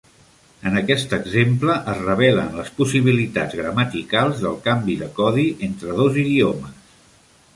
En aquest exemple es revelen les possibilitats gramaticals del canvi de codi entre dos idiomes.